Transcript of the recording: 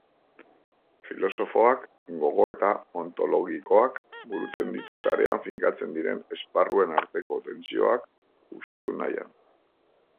Filosofoak gogoeta ontologikoak burutzen ditu sarean finkatzen diren esparruen arteko tentsioak uxatu nahian.